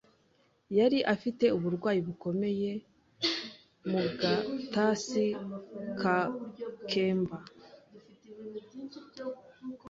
Yari afite uburwayi bukomeye mu gatasi ka kemba.